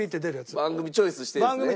番組チョイスしてるんですね。